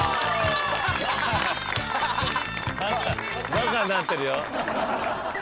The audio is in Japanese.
バカになってるよ。